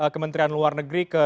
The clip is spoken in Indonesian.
kementerian luar negeri